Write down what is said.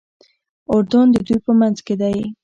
اردن د دوی په منځ کې دی.